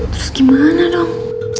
terus gimana dong